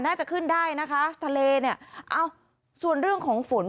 น่าจะขึ้นได้นะคะทะเลเนี่ยเอ้าส่วนเรื่องของฝน